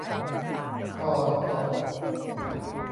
คอตก